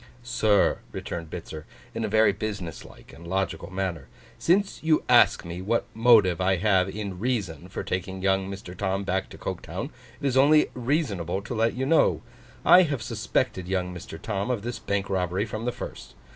'Sir,' returned Bitzer, in a very business like and logical manner, 'since you ask me what motive I have in reason, for taking young Mr. Tom back to Coketown, it is only reasonable to let you know. I have suspected young Mr. Tom of this bank robbery from the first.